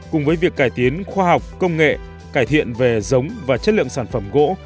cùng với việc cải tiến khoa học công nghệ cải thiện về giống và chất lượng sản phẩm gỗ